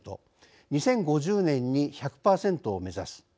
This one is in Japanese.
２０５０年に１００％を目指す」